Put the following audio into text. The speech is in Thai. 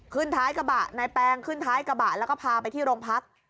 ท้ายกระบะนายแปลงขึ้นท้ายกระบะแล้วก็พาไปที่โรงพัก